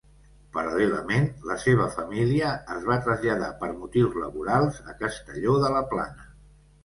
Paral·lelament, la seva família es va traslladar per motius laborals a Castelló de la Plana.